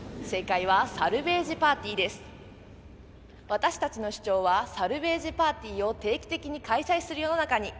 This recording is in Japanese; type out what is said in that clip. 私たちの主張は「サルベージパーティーを定期的に開催する世の中に」です。